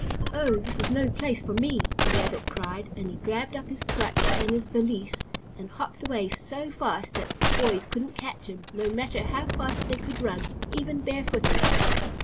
"Oh, this is no place for me!" the rabbit cried, and he grabbed up his crutch and his valise and hopped away so fast that the boys couldn't catch him, no matter how fast they could run, even bare footed.